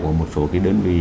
của một số cái đơn vị